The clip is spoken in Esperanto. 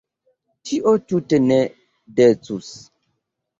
Tio tute ne decus.